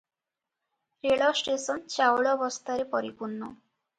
ରେଳ ଷ୍ଟେସନ ଚାଉଳବସ୍ତାରେ ପରିପୂର୍ଣ୍ଣ ।